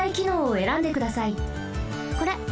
これ。